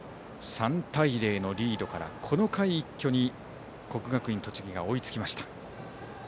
３対０のリードからこの回一挙に国学院栃木が追いつきました。